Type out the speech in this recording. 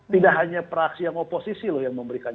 tidak hanya praksi yang oposisi loh yang memberikan